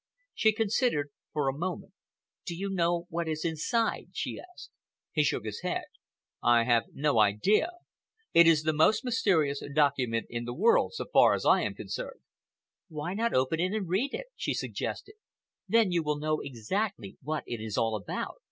She considered for a moment. "Do you know what is inside?" she asked. He shook his head. "I have no idea. It is the most mysterious document in the world, so far as I am concerned." "Why not open it and read it?" she suggested; "then you will know exactly what it is all about.